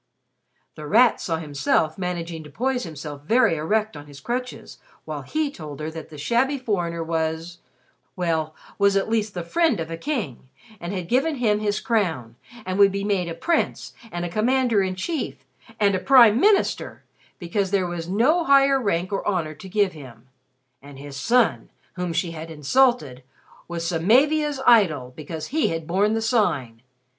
The Rat saw himself managing to poise himself very erect on his crutches while he told her that the shabby foreigner was well, was at least the friend of a King, and had given him his crown and would be made a prince and a Commander in Chief and a Prime Minister because there was no higher rank or honor to give him. And his son whom she had insulted was Samavia's idol because he had borne the Sign.